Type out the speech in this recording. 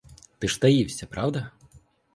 Ти ж таївся, правда?